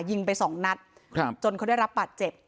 ยิงไปนัดจนเขาได้รับปัดเจ็บ